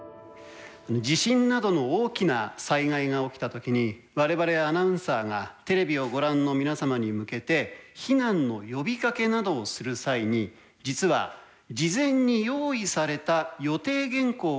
地震などの大きな災害が起きた時に我々アナウンサーがテレビをご覧の皆様に向けて避難の呼びかけなどをする際に実は事前に用意された予定原稿を読むことがあります。